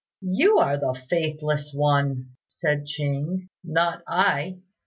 "You are the faithless one," said Ching, "not I."